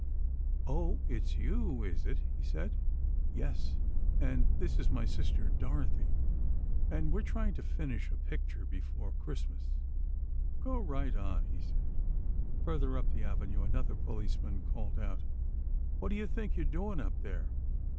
'Oh, it's you, is it?' he said. 'Yes, and this is my sister, Dorothy, and we're trying to finish a picture before Christmas.' 'Go right on,' he said. Farther up the Avenue, another policeman called out: 'What do you think you're doing up there?